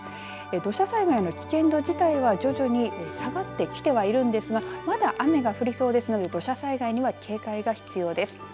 土砂災害の危険度自体は徐々に下がってきてはいるんですがまだ雨が降りそうですので土砂災害には警戒が必要です。